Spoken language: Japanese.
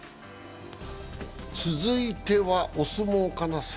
続いては、お相撲かな。